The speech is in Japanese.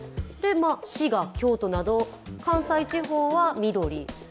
滋賀、京都など関西地方は緑。